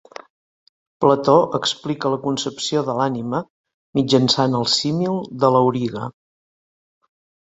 Plató explica la concepció de l'ànima mitjançant el símil de l'auriga.